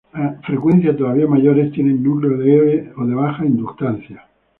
A frecuencias todavía mayores, tienen núcleo de aire o de baja inductancia.